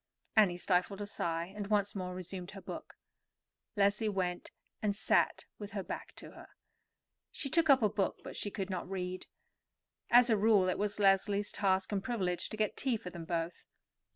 Annie stifled a sigh, and once more resumed her book. Leslie went and sat with her back to her. She took up a book, but she could not read. As a rule, it was Leslie's task and privilege to get tea for them both.